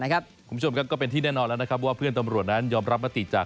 คุณผู้ชมครับก็เป็นที่แน่นอนแล้วนะครับว่าเพื่อนตำรวจนั้นยอมรับมติจาก